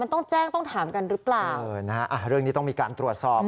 ต้องแจ้งต้องถามกันหรือเปล่าเออนะฮะเรื่องนี้ต้องมีการตรวจสอบ